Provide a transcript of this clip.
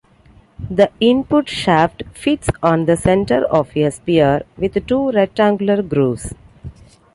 The input shaft fits on the centre of a sphere with two rectangular grooves.